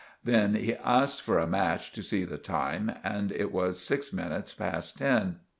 Then he asked for a match to see the time and it was six minutes past ten.